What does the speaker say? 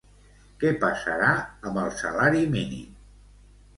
Què passarà amb el salari mínim?